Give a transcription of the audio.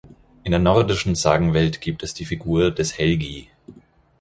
In der nordischen Sagenwelt gibt es die Figur des Helgi.